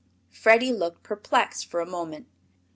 Freddie looked perplexed for a moment.